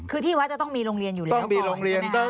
คือที่วัดจะต้องมีโรงเรียนอยู่แล้ว